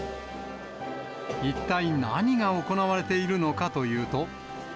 一体何が行われているのかというと。